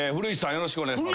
よろしくお願いします。